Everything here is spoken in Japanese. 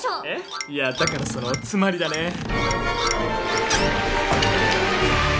えっいやだからそのつまりだね。